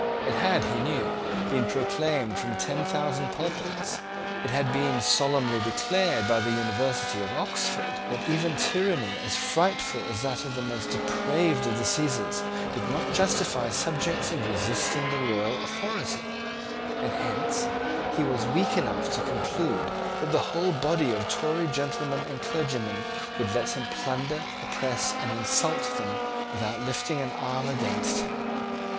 It had, he knew, been proclaimed from ten thousand pulpits, it had been solemnly declared by the University of Oxford, that even tyranny as frightful as that of the most depraved of the Caesars did not justify subjects in resisting the royal authority; and hence he was weak enough to conclude that the whole body of Tory gentlemen and clergymen would let him plunder, oppress, and insult them without lifting an arm against him.